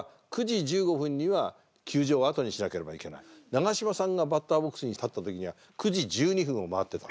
長嶋さんがバッターボックスに立ったときには９時１２分を回ってた。